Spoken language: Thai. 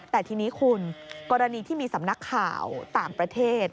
แต่ทีนี้คุณกรณีที่มีสำนักข่าวต่างประเทศ